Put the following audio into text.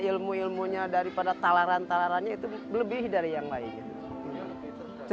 ilmu ilmunya daripada talaran talarannya itu lebih dari yang lainnya